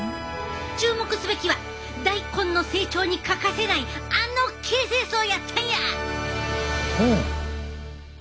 注目すべきは大根の成長に欠かせないあの形成層やったんや！